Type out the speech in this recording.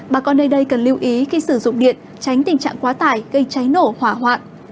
bà con nơi đây cần lưu ý khi sử dụng điện tránh tình trạng quá tải gây cháy nổ hỏa hoạn